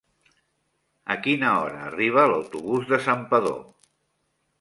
A quina hora arriba l'autobús de Santpedor?